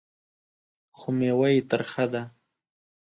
خو مېوه یې ترخه ده .